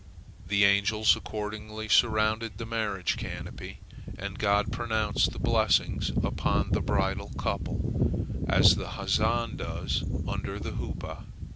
The angels accordingly surrounded the marriage canopy, and God pronounced the blessings upon the bridal couple, as the Hazan does under the Huppah.